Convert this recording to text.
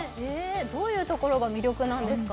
どういうところが魅力なんですか？